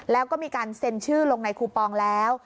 แล้วก็มีการเซ็นชื่อลงในคูปองแล้ว